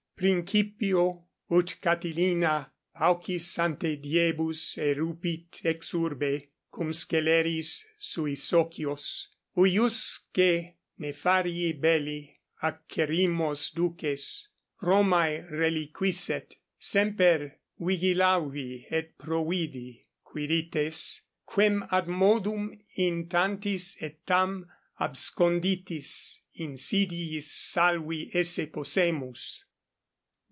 _ Principio, ut Catilina paucis ante diebus erupit ex urbe, cum sceleris sui socios, huiusce nefarii belli acerrimos duces, Romae reliquisset, semper vigilavi et providi, Quirites, quem ad modum in tantis et tam absconditis insidiis salvi esse possemus.